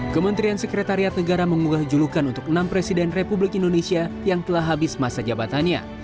kementerian sekretariat negara mengunggah julukan untuk enam presiden republik indonesia yang telah habis masa jabatannya